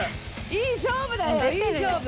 いい勝負だよいい勝負。